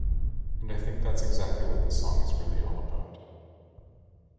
And I think that's exactly what this song is really all about.